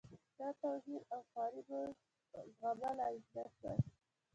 دا توهین او خواري مې زغملای نه شوای.